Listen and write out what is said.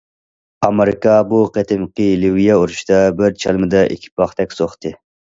ئامېرىكا بۇ قېتىمقى لىۋىيە ئۇرۇشىدا بىر چالمىدا ئىككى پاختەك سوقتى.